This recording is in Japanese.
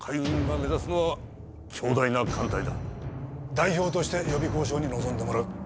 代表として予備交渉に臨んでもらう。